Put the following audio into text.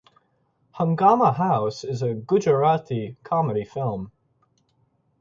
Hungama House is Gujarati Comedy Film.